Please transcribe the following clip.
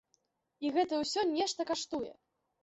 І гэта ўсё нешта каштуе.